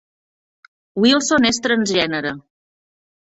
Wilson és transgènere.